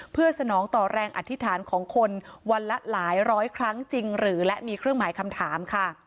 เพื่อสนองต่อแรงอธิษฐานของคนวันละหลายร้อยครั้งจริงหรือและมีเครื่องหมายคำถามค่ะ